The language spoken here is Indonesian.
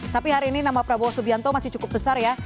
tapi hari ini nama prabowo subianto masih cukup besar ya